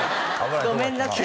ごめんなさい。